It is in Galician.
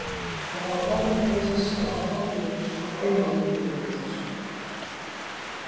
Avanzar malia a eses obstáculos é un triunfo do proceso?